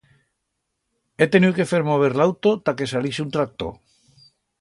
He teniu que fer mover l'auto ta que salise un tractor.